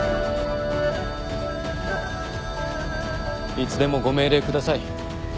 いつでもご命令ください。